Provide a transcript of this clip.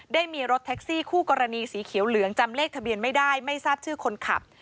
ได้มีรถแท็กซี่คู่กรณีสีเขียวเหลืองจำเลขทะเบียนไม่ได้ไม่ทราบชื่อคนขับ